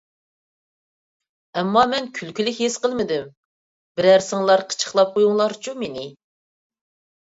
ئەمما مەن كۈلكىلىك ھېس قىلمىدىم. بىرەرسىڭلار قىچىقلاپ قويۇڭلارچۇ مېنى!